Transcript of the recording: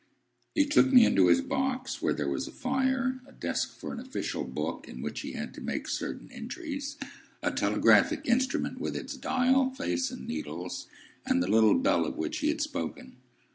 He took me into his box, where there was a fire, a desk for an official book in which he had to make certain entries, a telegraphic instrument with its dial, face, and needles, and the little bell of which he had spoken.